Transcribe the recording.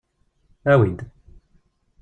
Awi-d!